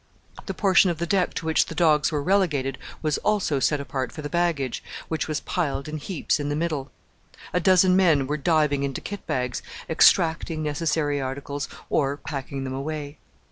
The portion of the deck to which the dogs were relegated was also set apart for the baggage, which was piled in heaps in the middle. A dozen men were diving into kit bags, extracting necessary articles or packing them away.